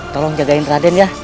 tolong jagain raden ya